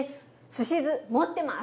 すし酢持ってます。